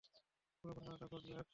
পুরো ঘটনাটা ঘটবে এক লহমায়।